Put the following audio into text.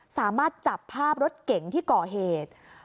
สามารถจับภาพรถเก๋งที่ก่อเหตุ